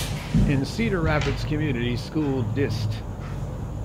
In Cedar Rapids Community School Dist.